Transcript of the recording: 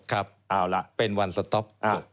ครับเป็นวันสต๊อป